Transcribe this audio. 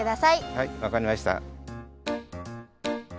はいわかりました。